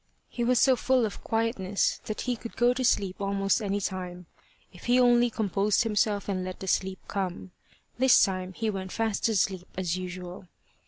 He was so full of quietness that he could go to sleep almost any time, if he only composed himself and let the sleep come. This time he went fast asleep as usual.